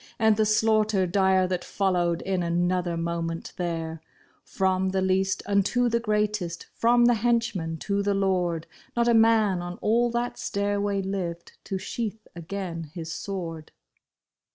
And the slaughter dire that followed in another mo ment there ! From the least unto the greatest, from the henchman to the lord. Not a man on all that stairway lived to sheath again his sword.